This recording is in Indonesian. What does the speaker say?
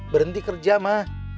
berhenti kerja ma